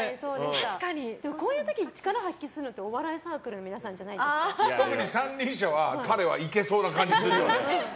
こういう時、力発揮するのってお笑いサークルの特に三輪車は彼はいけそうな気がする。